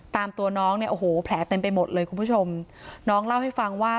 ตามตัวน้องเนี่ยโอ้โหแผลเต็มไปหมดเลยคุณผู้ชมน้องเล่าให้ฟังว่า